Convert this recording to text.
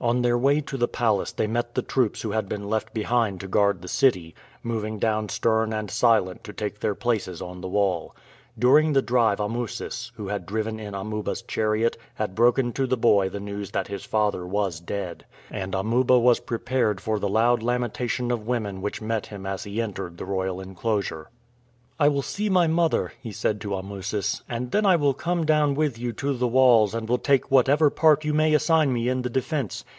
On their way to the palace they met the troops who had been left behind to guard the city, moving down stern and silent to take their places on the wall. During the drive Amusis, who had driven in Amuba's chariot, had broken to the boy the news that his father was dead, and Amuba was prepared for the loud lamentation of women which met him as he entered the royal inclosure. "I will see my mother," he said to Amusis, "and then I will come down with you to the walls and will take whatever part you may assign me in the defense.